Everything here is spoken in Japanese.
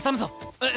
えっ？